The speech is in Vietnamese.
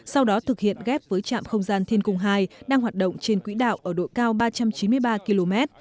sau đó thực hiện ghép với trạm không gian thiên cung hai đang hoạt động trên quỹ đạo ở độ cao ba trăm chín mươi ba km